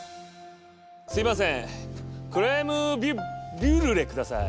すいませんクレームビュブリュレください。